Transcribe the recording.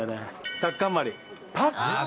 タッカンマリ。